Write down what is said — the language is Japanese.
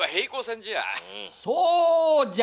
そうじゃ！